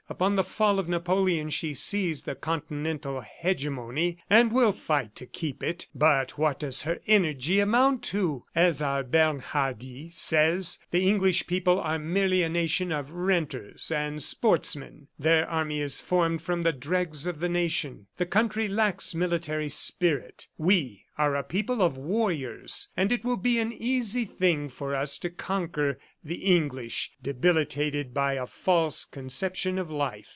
Upon the fall of Napoleon she seized the continental hegemony, and will fight to keep it. But what does her energy amount to? ... As our Bernhardi says, the English people are merely a nation of renters and sportsmen. Their army is formed from the dregs of the nation. The country lacks military spirit. We are a people of warriors, and it will be an easy thing for us to conquer the English, debilitated by a false conception of life."